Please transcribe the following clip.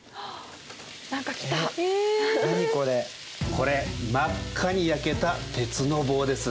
これ真っ赤に焼けた鉄の棒です。